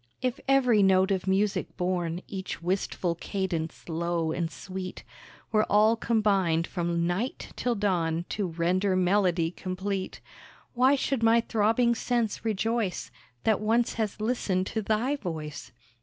If every note of music born, Each wistful cadence low and sweet, Were all combined from night till dawn To render melody complete— Why should my throbbing sense rejoice That once has listened to thy voice?